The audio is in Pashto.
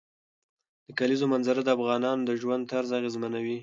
د کلیزو منظره د افغانانو د ژوند طرز اغېزمنوي.